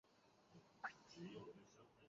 在场上的位置是边锋。